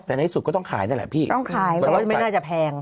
แต่ในที่สุดก็ต้องขายนั่นแหละพี่ต้องขายแต่ว่าไม่น่าจะแพง